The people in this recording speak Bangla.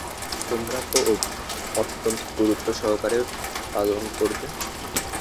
তোমরা তা অত্যন্ত গুরুত্ব সহকারে পালন করবে।